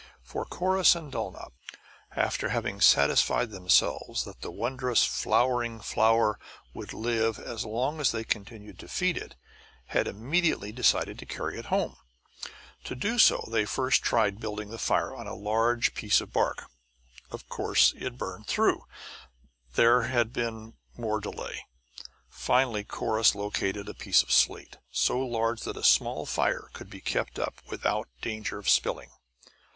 For Corrus and Dulnop, after having satisfied themselves that the wondrous flowering flower would live as long as they continued to feed it, had immediately decided to carry it home. To do so they first tried building the fire on a large piece of bark. Of course it burned through, and there had been more delay. Finally Corrus located a piece of slate, so large that a small fire could be kept up without danger of spilling.